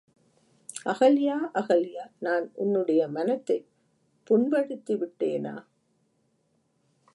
அகல்யா, அகல்யா நான் உன்னுடைய மனத்தைப் புண்படுத்திவிட்டேனா?